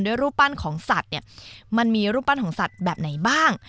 รูปปั้นของสัตว์เนี่ยมันมีรูปปั้นของสัตว์แบบไหนบ้าง